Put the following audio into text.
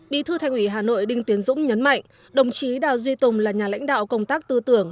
bí thư thành ủy hà nội đinh tiến dũng nhấn mạnh đồng chí đào duy tùng là nhà lãnh đạo công tác tư tưởng